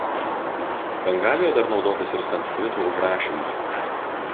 Bengalijoje dar naudotas ir sanskrito užrašymui.